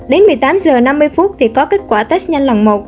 đến một mươi tám h năm mươi thì có kết quả test nhanh lần một